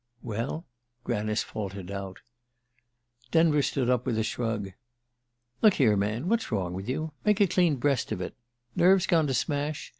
"Well?" Granice faltered out. Denver stood up with a shrug. "Look here, man what's wrong with you? Make a clean breast of it! Nerves gone to smash?